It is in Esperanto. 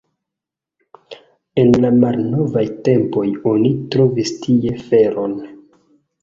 En la malnovaj tempoj oni trovis tie feron.